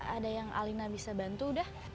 ada yang alina bisa bantu udah